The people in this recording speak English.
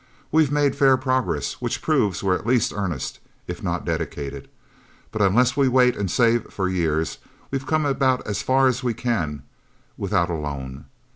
We've made fair progress, which proves we're at least earnest, if not dedicated. But unless we wait and save for years, we've come about as far as we can, without a loan.